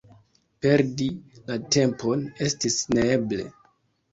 Perdi la tempon estis neeble.